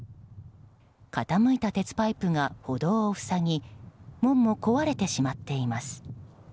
傾いた鉄パイプが歩道を塞ぎ門も壊れてしまっています。